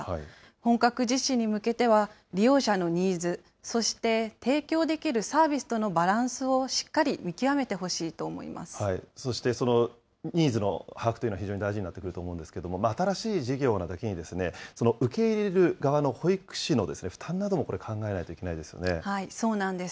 本格実施に向けては、利用者のニーズ、そして提供できるサービスとのバランスをしっかり見極めてそしてニーズの把握というのは、非常に大事になってくると思うんですけれども、新しい事業なだけに、受け入れる側の保育士の負担などもこれ、考えないといけそうなんです。